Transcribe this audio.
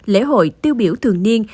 lễ hội tiêu biểu thường niên